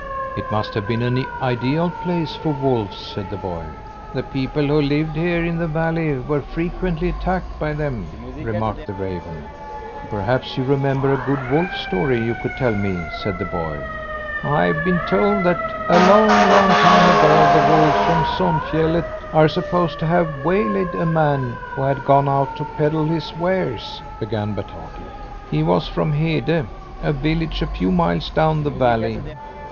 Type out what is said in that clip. "It must have been an ideal place for wolves," said the boy. "The people who lived here in the valley were frequently attacked by them," remarked the raven. "Perhaps you remember a good wolf story you could tell me?" said the boy. "I've been told that a long, long time ago the wolves from Sonfjället are supposed to have waylaid a man who had gone out to peddle his wares," began Bataki. "He was from Hede, a village a few miles down the valley.